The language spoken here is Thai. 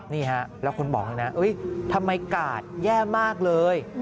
นี่ฮะแล้วคนบอกเลยนะทำไมกาดแย่มากเลย